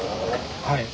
はい。